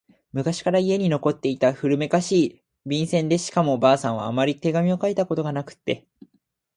昔から家に残っていた古めかしい、便箋でしかも婆さんはあまり手紙を書いたことがなくって……